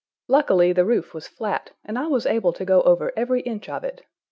Luckily, the roof was flat, and I was able to go over every inch of it.